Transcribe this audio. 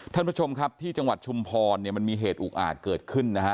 ท่านผู้ชมครับที่จังหวัดชุมพรเนี่ยมันมีเหตุอุกอาจเกิดขึ้นนะฮะ